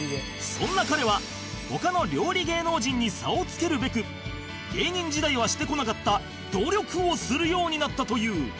そんな彼は他の料理芸能人に差をつけるべく芸人時代はしてこなかった努力をするようになったという